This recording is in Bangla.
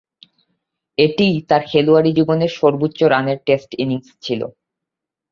এটিই তার খেলোয়াড়ী জীবনের সর্বোচ্চ রানের টেস্ট ইনিংস ছিল।